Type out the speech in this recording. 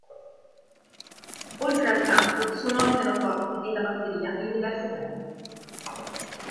Oltre al canto suonò il pianoforte e la batteria in diverse band.